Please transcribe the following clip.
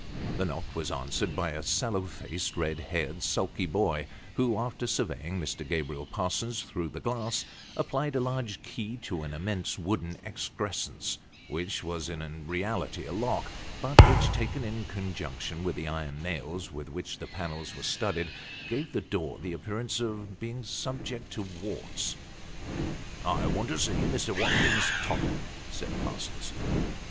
The knock was answered by a sallow faced red haired sulky boy, who, after surveying Mr. Gabriel Parsons through the glass, applied a large key to an immense wooden excrescence, which was in reality a lock, but which, taken in conjunction with the iron nails with which the panels were studded, gave the door the appearance of being subject to warts. " I want to see Mr. Watkins Tottle," said Parsons.